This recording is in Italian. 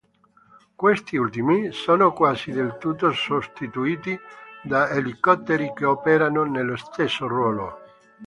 Questi ultimi sono quasi del tutto sostituiti da elicotteri che operano nello stesso ruolo.